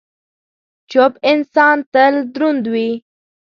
چپ انسان، تل دروند وي.